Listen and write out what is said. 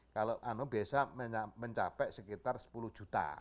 kalau desa mencapai sekitar sepuluh juta